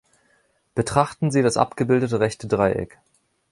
Betrachten Sie das abgebildete rechte Dreieck.